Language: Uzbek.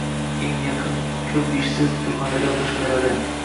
Eng yaqin kup ishsiz Surxondaryo va Qashqadarjoda